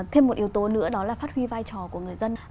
thêm một yếu tố nữa đó là phát huy vai trò của người dân